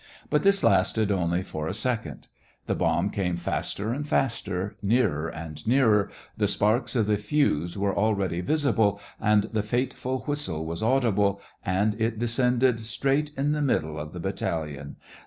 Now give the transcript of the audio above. But this lasted only for a second. The bomb came faster and faster, nearer and nearer, the sparks of the fuse were already visible, and the fateful whistle was audible, and it descended straight in the middle of the battalion.